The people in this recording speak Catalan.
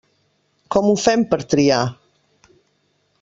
Com ho fem per triar?